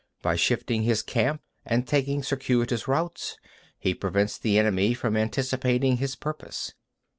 By shifting his camp and taking circuitous routes, he prevents the enemy from anticipating his purpose.